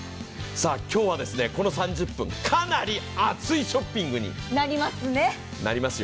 今日はこの３０分、かなり熱いショッピングになりますよ。